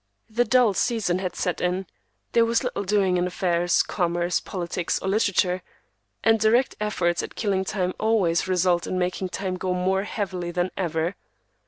The dull season had set in; there was little doing, in affairs, commerce, politics, or literature; and direct efforts at killing time always result in making time go more heavily than ever.